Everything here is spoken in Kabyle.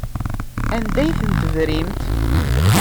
Anda ay ten-tebrimt?